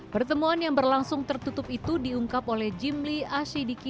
pertemuan yang berlangsung tertutup itu diungkap oleh jimli asyidiki